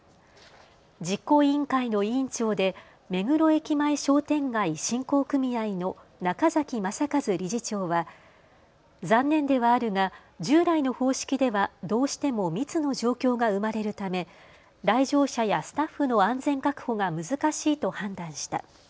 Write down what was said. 実行委員会の委員長で目黒駅前商店街振興組合の中崎政和理事長は残念ではあるが従来の方式ではどうしても密の状況が生まれるため来場者やスタッフの安全確保が難しいと判断した。